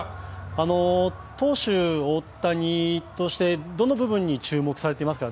投手・大谷としてどの部分に注目されていますか。